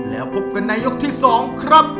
แล้วพบกันในยกที่๒ครับ